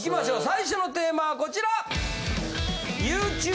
最初のテーマはこちら！